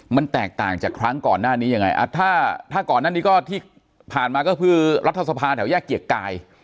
มันแตกต่างจากครั้งก่อนหน้านี้ยังไงถ้าก่อนหน้านี้ก็ที่ผ่านมาก็คือรัฐสภาแถวแยกเกียรติกาย